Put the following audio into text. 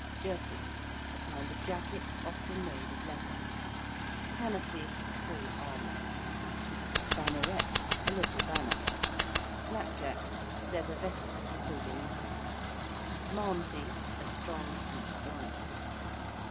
~jerkins~: a kind of jacket often made of leather. ~panoply~: full armour. ~banneret~: a little banner. ~blackjacks~: leather vessels for holding liquor. ~malmsey~: a strong sweet wine.